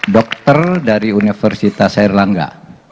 dokter dari universitas airlangga